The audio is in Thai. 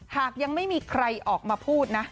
หากยังไม่มีใครออกมาพูดนะ